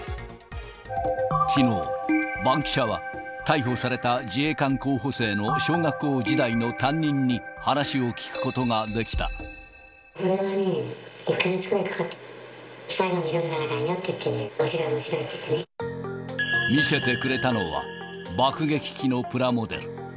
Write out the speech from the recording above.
きのう、バンキシャは逮捕された自衛官候補生の小学校時代の担任に話を聞これは１か月ぐらいかかって、最後に色を塗らないとあかんよって言ったら、おもしろい、おもし見せてくれたのは、爆撃機のプラモデル。